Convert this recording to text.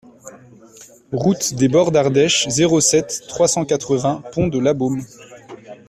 Route des Bords d'Ardèche, zéro sept, trois cent quatre-vingts Pont-de-Labeaume